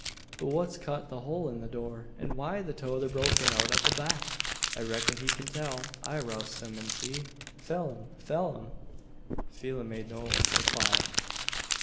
"But what's cut the hole in the door, an why's the tother broken out at the back? I reckon he kin tell. I'll roust him, an see. Pheelum! Pheelum!" Phelim made no reply.